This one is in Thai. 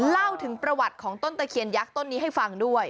เล่าถึงประวัติของต้นตะเคียนยักษ์ต้นนี้ให้ฟังด้วย